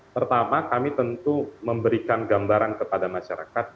pertama kami tentu memberikan gambaran kepada masyarakat